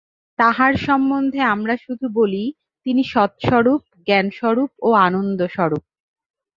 তাঁহার সম্বন্ধে আমরা শুধু বলি, তিনি সৎস্বরূপ, জ্ঞানস্বরূপ ও আনন্দস্বরূপ।